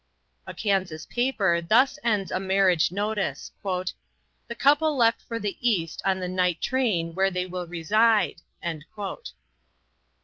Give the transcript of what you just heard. A Kansas paper thus ends a marriage notice: "The couple left for the East on the night train where they will reside."